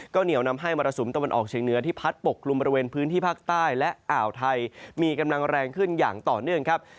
เหนียวนำให้มรสุมตะวันออกเชียงเหนือที่พัดปกกลุ่มบริเวณพื้นที่ภาคใต้และอ่าวไทยมีกำลังแรงขึ้นอย่างต่อเนื่องครับ